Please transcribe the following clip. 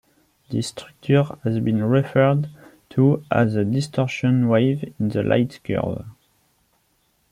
This structure has been referred to as a distortion wave in the light curve.